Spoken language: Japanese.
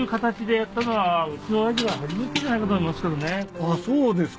あっそうですか。